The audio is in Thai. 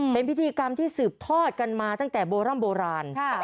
เป็นพิธีกรรมที่สืบทอดกันมาตั้งแต่โบร่ำโบราณ